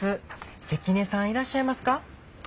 関根さんいらっしゃいますか？